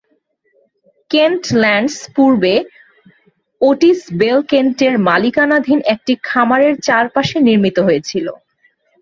Kentlands পূর্বে Otis Bell কেন্টের মালিকানাধীন একটি খামারের চারপাশে নির্মিত হয়েছিল।